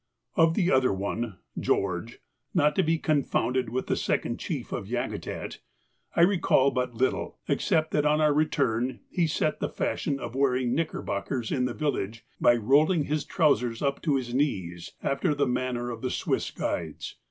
Of the other one, George (not to be confounded with the second chief of Yakutat), I recall but little, except that on our return he set the fashion of wearing knickerbockers in the village by rolling his trousers up to his knees, after the manner of the Swiss guides.